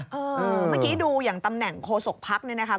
เมื่อกี้ดูอย่างตำแหน่งโคศกพักษ์นี่นะครับ